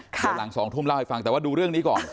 เดี๋ยวหลัง๒ทุ่มเล่าให้ฟังแต่ว่าดูเรื่องนี้ก่อน